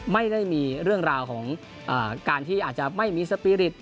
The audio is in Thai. ไม่ได้มีเรื่องราวของการที่อาจจะไม่มีสปีริต